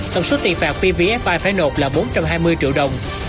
tổng số tiền phạt pvfi phải nộp là bốn trăm hai mươi triệu đồng